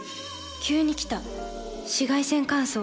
急に来た紫外線乾燥。